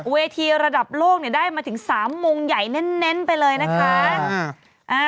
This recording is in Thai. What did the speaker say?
เวทีระดับโลกได้มาถึง๓มุมใหญ่เน้นไปเลยนะคะ